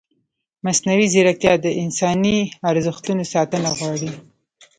مصنوعي ځیرکتیا د انساني ارزښتونو ساتنه غواړي.